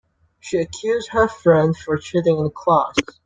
She accuse her friend for cheating in class.